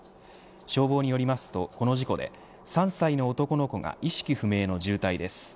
消防によりますと、この事故で３歳の男の子が意識不明の重体です。